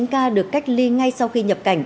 một mươi chín ca được cách ly ngay sau khi nhập cảnh